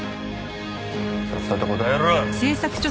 さっさと答えろ。